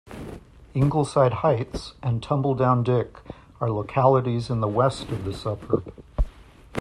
Ingleside Heights and Tumbledown Dick are localities in the west of the suburb.